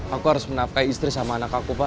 aku harus menafkai istri sama anak aku pak